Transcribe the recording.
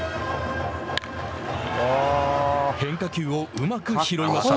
変化球をうまく拾いました。